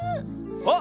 あっ！